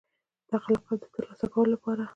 د دغه لقب د ترلاسه کولو لپاره